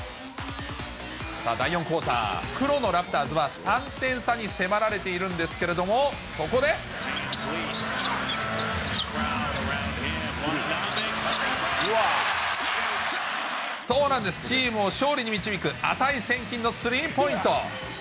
さあ、第４クオーター、黒のラプターズは３点差に迫られているんですけれども、そこで、そうなんです、チームを勝利に導く値千金のスリーポイント。